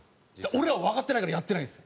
俺らはわかってないからやってないんです。